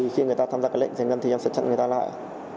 khi người ta tham gia lệnh giành ngân thì em sẽ chặn người ta lại